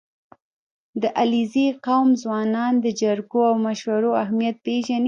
• د علیزي قوم ځوانان د جرګو او مشورو اهمیت پېژني.